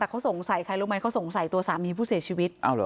แต่เขาสงสัยใครรู้ไหมเขาสงสัยตัวสามีผู้เสียชีวิต